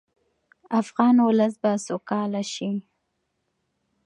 افغان ولس به سوکاله شي.